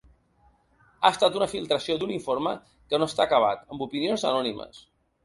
Ha estat una filtració d’un informe que no està acabat, amb opinions anònimes.